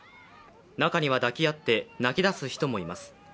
中には抱き合って泣きだす人もいます。